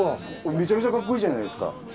めちゃめちゃかっこいいじゃないですか。